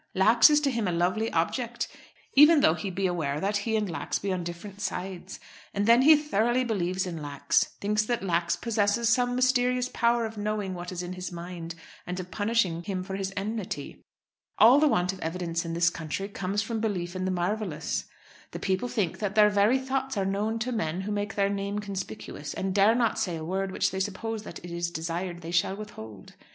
Lax is to him a lovely object, even though he be aware that he and Lax be on different sides. And then he thoroughly believes in Lax; thinks that Lax possesses some mysterious power of knowing what is in his mind, and of punishing him for his enmity. All the want of evidence in this country comes from belief in the marvellous. The people think that their very thoughts are known to men who make their name conspicuous, and dare not say a word which they suppose that it is desired they shall withhold.